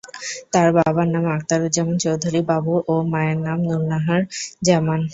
তার বাবার নাম আখতারুজ্জামান চৌধুরী বাবু ও মায়ের নাম নুর নাহার জামান।